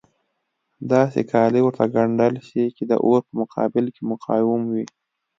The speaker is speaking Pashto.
داسې کالي ورته ګنډل شي چې د اور په مقابل کې مقاوم وي.